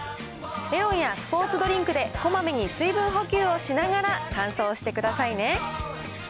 メロンやスポーツドリンクで、こまめに水分補給をしながら完走してくださいね。